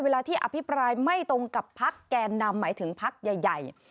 เวลาที่อภิปรายไม่ตรงกับพักแกนนำหมายถึงพักใหญ่